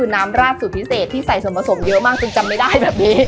คือน้ำราดสูตรพิเศษที่ใส่ส่วนผสมเยอะมากจนจำไม่ได้แบบนี้